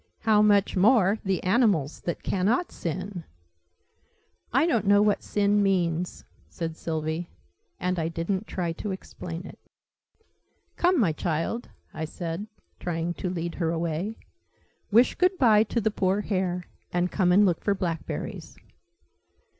How much more the animals, that cannot sin!" "I don't know what 'sin' means," said Sylvie. And I didn't try to explain it. "Come, my child," I said, trying to lead her away. "Wish good bye to the poor hare, and come and look for blackberries."